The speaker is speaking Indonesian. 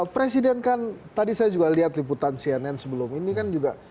presiden kan tadi saya juga lihat liputan cnn sebelum ini kan juga